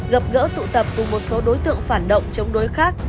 gặp gỡ tụ tập cùng một số đối tượng phản động chống đối khác